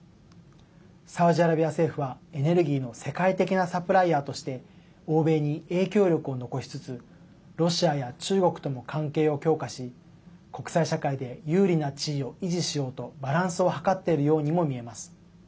サウジアラビア政府はエネルギーの世界的なサプライヤーとして欧米に影響力を残しつつロシアや中国とも関係を強化し国際社会で有利な地位を維持しようとバランスをはかっているようにも見えます。